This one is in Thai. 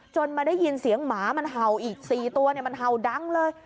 มาได้ยินเสียงหมามันเห่าอีก๔ตัวมันเห่าดังเลย